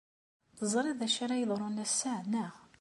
Teẓrid d acu ara yeḍrun ass-a, naɣ?